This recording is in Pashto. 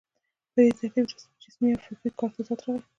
په دې ترتیب د جسمي او فکري کار تضاد راغی.